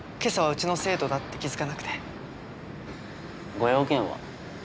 ご用件は？